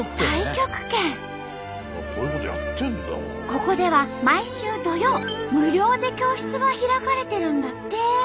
ここでは毎週土曜無料で教室が開かれてるんだって。